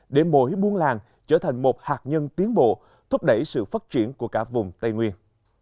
để mỗi buôn làng trở thành một hạt nhân tiến bộ thúc đẩy sự phát triển của cả vùng tây nguyên